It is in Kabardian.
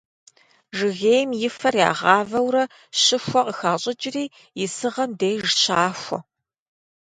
Жыгейм и фэр ягъавэурэ щыхуэ къыхащӏыкӏри исыгъэм деж щахуэ.